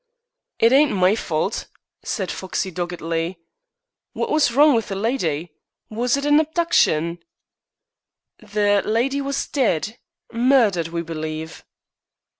"It ain't my fault," said Foxey doggedly. "Wot was wrong with the lydy? Was it a habduction?" "The lady was dead murdered, we believe."